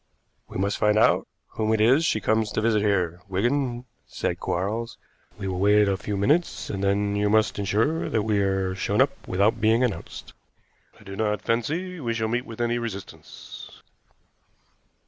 "We must find out whom it is she comes to visit here, Wigan," said Quarles. "We will wait a few minutes, and then you must insure that we are shown up without being announced. I do not fancy we shall meet with any resistance."